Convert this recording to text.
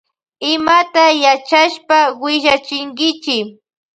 Imata yachashpa willachinkichi.